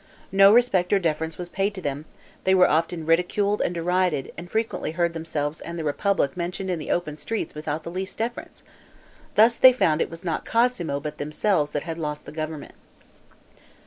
No respect or deference was paid to them; they were often ridiculed and derided, and frequently heard themselves and the republic mentioned in the open streets without the least deference; thus they found it was not Cosmo but themselves that had lost the government.